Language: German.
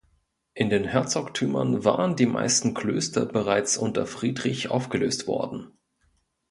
In den Herzogtümern waren die meisten Klöster bereits unter Friedrich aufgelöst worden.